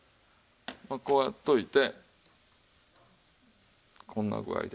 こうやっておいてこんな具合で。